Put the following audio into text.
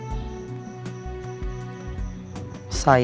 saya cuma bisa berdoa buat kamu